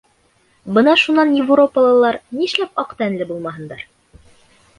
Бына шунан европалылар нишләп аҡ тәнле булмаһындар.